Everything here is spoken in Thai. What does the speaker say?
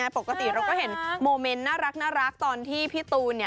ปกติเราก็เห็นโมเมนต์น่ารักตอนที่พี่ตูน